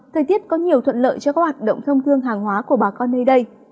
thời tiết có nhiều thuận lợi cho các hoạt động thông thương hàng hóa của bà con nơi đây